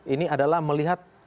ini adalah melihat